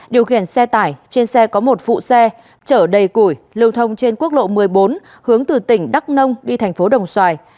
điều khiển xe tải trên xe có một phụ xe chở đầy củi lưu thông trên quốc lộ một mươi bốn hướng từ tỉnh đắk nông đi thành phố đồng xoài